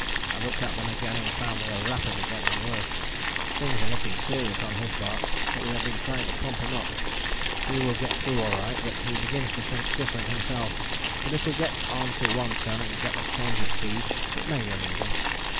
I looked at them again and found they are rapidly getting worse, things are looking serious on his part, but we have been trying to pump him up he will get through alright, but he begins to think different himself, but if we get to One Ton and can get a change of food it may relieve him.